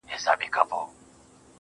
فلسفې نغښتي دي~